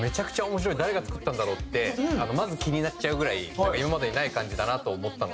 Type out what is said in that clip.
「誰が作ったんだろう？」ってまず気になっちゃうぐらい今までにない感じだなと思ったのと。